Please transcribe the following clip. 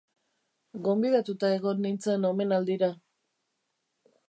Gonbidatuta egon nintzen omenaldira.